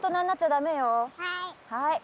はい。